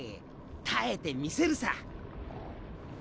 耐えてみせるさ！